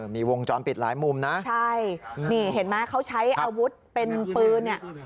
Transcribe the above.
มีวงจรปิดหลายมุมนะใช่นี่เห็นไหมเขาใช้อาวุธเป็นปืนเนี่ย